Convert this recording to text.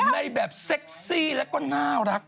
ในแบบเซ็กซี่แล้วก็น่ารัก